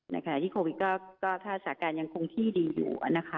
ในขณะที่โควิดก็ถ้าสาการยังคงที่ดีอยู่นะคะ